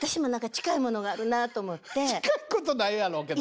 近いことないやろうけど。